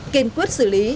kiên quyết xử lý